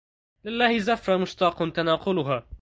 لله زفرة مشتاق تناقهلا